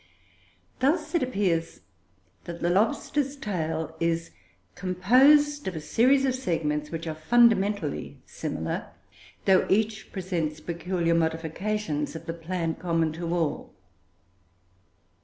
Thus it appears that the lobster's tail is composed of a series of segments which are fundamentally similar, though each presents peculiar modifications of the plan common to all.